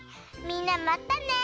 みんなまたね。